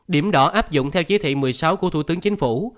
điểm đỏ áp dụng theo chế thị một mươi sáu của thủ tướng chính phủ